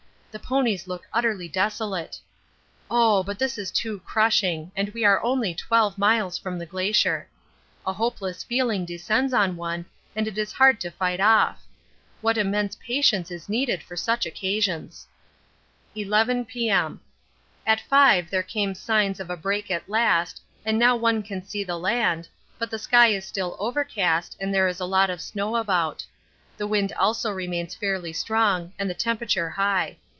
The ponies look utterly desolate. Oh! but this is too crushing, and we are only 12 miles from the Glacier. A hopeless feeling descends on one and is hard to fight off. What immense patience is needed for such occasions! 11 P.M. At 5 there came signs of a break at last, and now one can see the land, but the sky is still overcast and there is a lot of snow about. The wind also remains fairly strong and the temperature high.